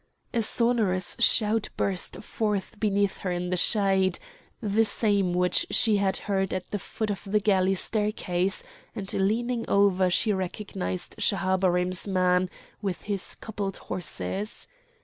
A sonorous shout burst forth beneath her in the shade, the same which she had heard at the foot of the galley staircase, and leaning over she recognised Schahabarim's man with his coupled horses.